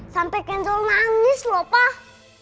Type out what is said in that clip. sampai kenzo manis lho pak